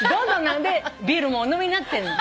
ビールもお飲みになってるの。